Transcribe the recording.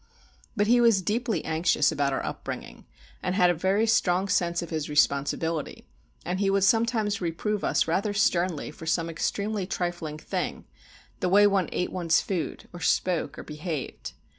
But he was deeply anxious about our upbringing, and had a very strong sense of his responsibility; and he would sometimes reprove us rather sternly for some extremely trifling thing, the way one ate one's food, or spoke, or behaved.